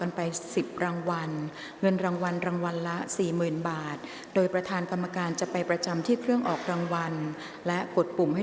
ออกรางวัลที่๓ครั้งที่๖เลขที่๖เลขที่๓